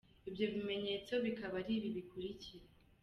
Ibyo bimenyetso bikaba ari ibi bikurikira:.